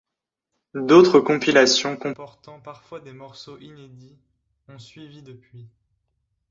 D'autres compilations, comportant parfois des morceaux inédits, ont suivi depuis.